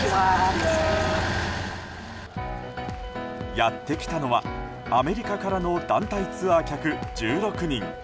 やってきたのはアメリカからの団体ツアー客１６人。